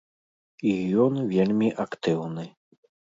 І ён вельмі актыўны.